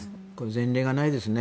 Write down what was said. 前例がないですね。